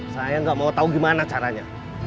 saya nggak mau tahu gimana caranya